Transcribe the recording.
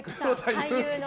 俳優の。